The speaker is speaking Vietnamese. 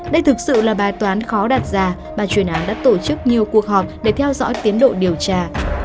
đây thực sự là bài toán khó đặt ra ban chương án đã tổ chức nhiều cuộc họp để theo dõi tiến độ điều tra